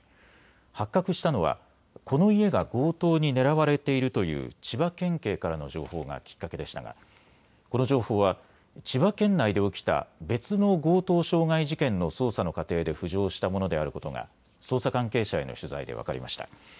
発覚したのはこの家が強盗に狙われているという千葉県警からの情報がきっかけでしたがこの情報は千葉県内で起きた別の強盗傷害事件の捜査の過程で浮上したものであることが捜査関係者への取材で分かりました。